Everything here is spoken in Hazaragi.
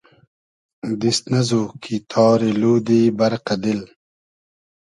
دیست نئزو کی تاری لودی بئرقۂ دیل